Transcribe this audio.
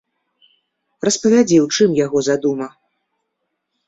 Распавядзі, у чым яго задума.